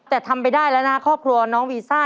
แต่ทำไปได้แล้วนะครอบครัวน้องวีซ่า